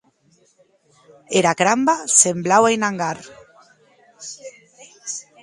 Era cramba semblaue un angar.